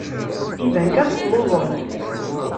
Iban kan telluẓemt.